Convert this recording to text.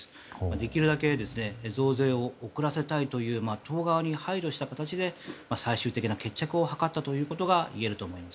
できるだけ増税を遅らせたいという党側に配慮した形で最終的な決着を図ったということがいえると思います。